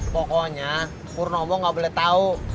pokoknya purnomo nggak boleh tahu